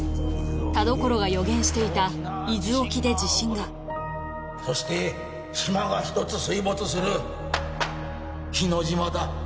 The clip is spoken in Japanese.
田所が予言していた伊豆沖で地震がそして島が１つ水没する日之島だ